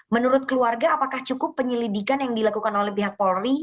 menurut keluarga apakah cukup penyelidikan yang dilakukan oleh pihak polri